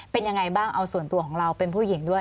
เป็นยังไงบ้างเอาส่วนตัวของเราเป็นผู้หญิงด้วย